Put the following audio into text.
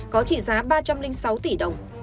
có trị giá ba trăm linh sáu tỷ đồng